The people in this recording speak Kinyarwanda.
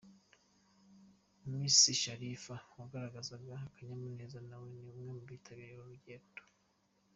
Miss Sharifa wagaragazaga akanyamuneza, nawe ni umwe mu bitabiriye uru rugendo.